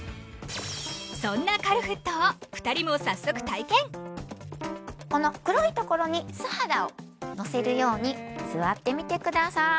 そんなカルフットを２人も早速体験この黒いところに素肌を乗せるように座ってみてください